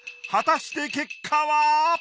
果たして結果は！？